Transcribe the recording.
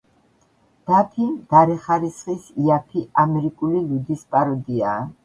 დაფი მდარე ხარისხის, იაფი, ამერიკული ლუდის პაროდიაა.